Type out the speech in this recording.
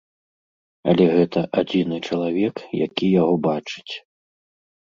Але гэта адзіны чалавек, які яго бачыць.